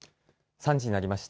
３時になりました。